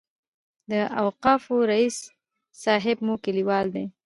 د اوقافو رئیس صاحب مو کلیوال دی.